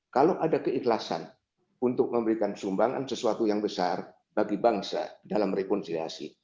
kalau ada keikhlasan untuk memberikan sumbangan sesuatu yang besar bagi bangsa dalam rekonsiliasi